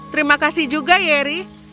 terima kasih juga yeri